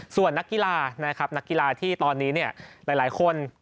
ส่วนนักกีฬานะครับนักกีฬาที่ตอนนี้เนี่ยหลายคน